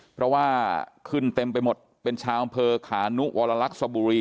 เพราะว่าขึ้นเต็มไปหมดเป็นชาวอำเภอขานุวรรลักษณ์สบุรี